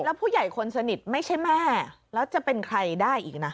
แล้วผู้ใหญ่คนสนิทไม่ใช่แม่แล้วจะเป็นใครได้อีกนะ